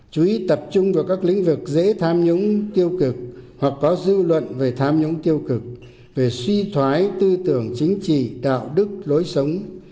chú ý tập trung vào các lĩnh vực dễ tham nhũng tiêu cực hoặc có dư luận về tham nhũng tiêu cực về suy thoái tư tưởng chính trị đạo đức lối sống